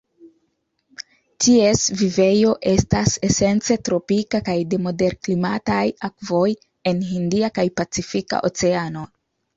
Ties vivejo estas esence tropika kaj de moderklimataj akvoj en Hindia kaj Pacifika Oceano.